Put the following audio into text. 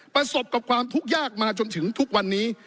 ประสบกับความทุกข์ยากมาจนถึงทุกวันนี้